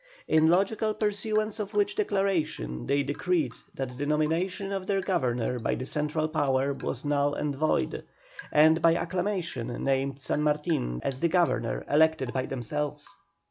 In logical pursuance of which declaration they decreed that the nomination of their Governor by the central power was null and void, and by acclamation named San Martin as the Governor elected by themselves.